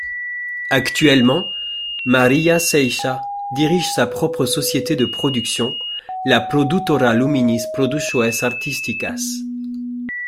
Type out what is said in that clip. Actuellement, Maria Ceiça dirige sa propre société de production, la Produtora Luminis Produções Artísticas.